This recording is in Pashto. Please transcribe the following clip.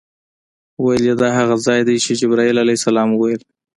ویل یې دا هغه ځای دی چې جبرائیل علیه السلام وویل.